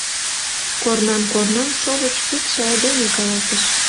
— корнан-корнан шовыч пидше айдеме каласыш.